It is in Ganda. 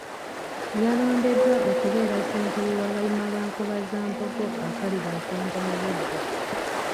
Yalondeddwa okubeera ssentebe w'abayima ba Nkobazambogo Akalibaakendo mu Buddu